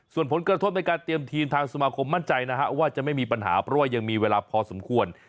ส่วนผลกระทบในการเตรียมทีมทางสมาคมมั่นใจนะฮะว่าจะไม่มีปัญหาเพราะว่ายังมีเวลาพอสมควร